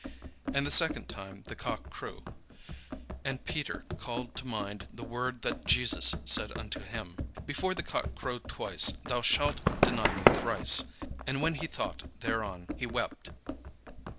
And the second time the cock crew. And Peter called to mind the word that Jesus said unto him, "Before the cock crow twice, thou shalt deny me thrice." And when he thought thereon, he wept.